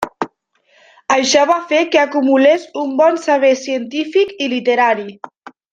Això va fer que acumulés un bon saber científic i literari.